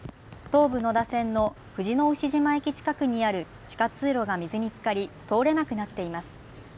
東武野田線の藤の牛島駅近くにある地下通路が水につかり通れなくなっています。